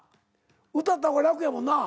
歌った方が楽やもんな。